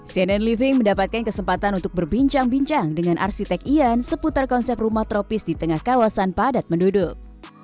cnn living mendapatkan kesempatan untuk berbincang bincang dengan arsitek ian seputar konsep rumah tropis di tengah kawasan padat penduduk